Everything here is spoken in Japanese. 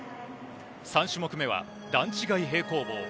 ３種目目は段違い平行棒。